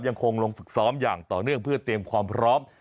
ยังคงลงฝึกซ้อมอย่างต่อเนื่องเพื่อเตรียมความพร้อม